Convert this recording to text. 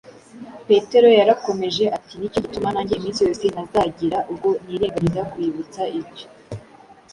Petero yarakomeje ati: « Ni cyo gituma nanjye iminsi yose ntazagira ubwo nirengagiza kubibutsa ibyo